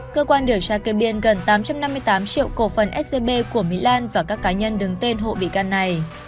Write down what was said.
cơ quan điều tra kê biên gần tám trăm năm mươi tám triệu cổ phần scb của mỹ lan và các cá nhân đứng tên hộ bị can này